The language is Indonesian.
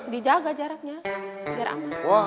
dijaga jaraknya biar aman